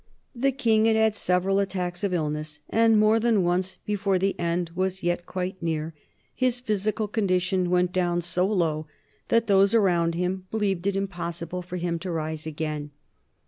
The King had had several attacks of illness, and more than once, before the end was yet quite near, his physical condition went down so low that those around him believed it impossible for him to rise again.